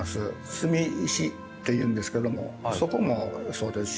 隅石というんですけどもそこもそうですし。